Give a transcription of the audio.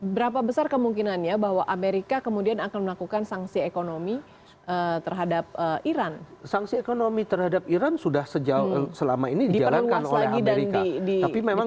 berapa besar kemungkinannya bahwa amerika kemudian akan melakukan serangan balik